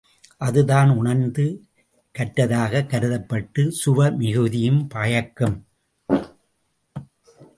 அதுதான் உணர்ந்து கற்றதாகக் கருதப்பட்டுச் சுவை மிகுதியும் பயக்கும்.